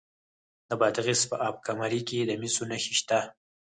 د بادغیس په اب کمري کې د مسو نښې شته.